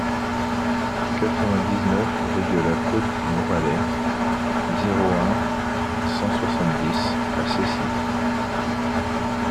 quatre-vingt-dix-neuf rue de la Côte du Moralay, zéro un, cent soixante-dix à Cessy